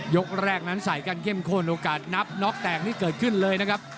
ยกแรกนั้นใส่กันเข้มข้นโอกาสนับน็อกแตกนี่เกิดขึ้นเลยนะครับ